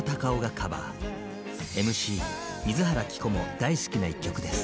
ＭＣ水原希子も大好きな一曲です。